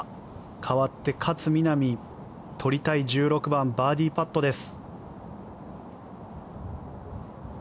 かわって勝みなみ取りたい１６番バーディーパットです。